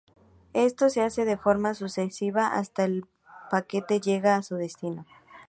Esto se hace de forma sucesiva hasta que el paquete llega a su destino.